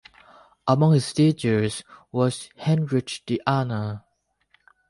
Among his teachers was Heinrich de Ahna.